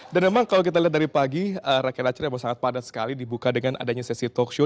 dan memang kalau kita lihat dari pagi rakyat acara yang sangat padat sekali dibuka dengan adanya sesi talk show